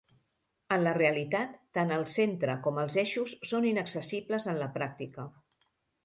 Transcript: En la realitat, tant el centre com els eixos són inaccessibles en la pràctica.